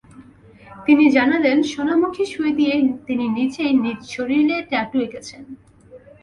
তিনি জানালেন, সোনামুখী সুই দিয়ে তিনি নিজেই নিজের শরীরে ট্যাটু এঁকেছেন।